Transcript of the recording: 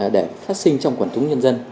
để phát sinh trong quần chúng nhân dân